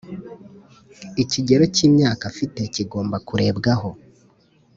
ikigero k’imyaka afite kigomba kurebwaho